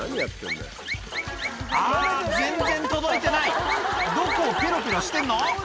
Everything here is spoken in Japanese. ⁉あぁ全然届いてないどこをペロペロしてんの？